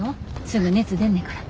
すぐ熱出んねから。